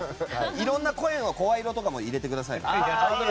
いろんな声の声色とかも入れてください。